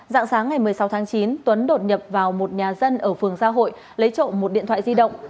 dạng sáng ngày một mươi sáu tháng chín tuấn đột nhập vào một nhà dân ở phường gia hội lấy trộm một điện thoại di động